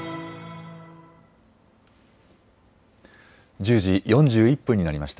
１０時４１分になりました。